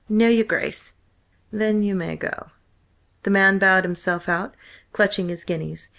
"No, your Grace." "Then you may go." The man bowed himself out, clutching his guineas.